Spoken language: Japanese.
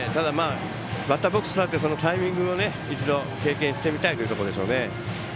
バッターのタイミングを一度経験してみたいというところでしょう。